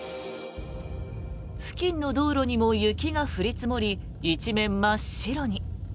付近の道路にも雪が降り積もり一面真っ白に。